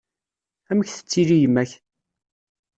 Amek tettili yemma-k?